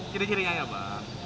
kira kira yang apa